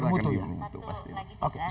diskursi akan lebih muntuh pasti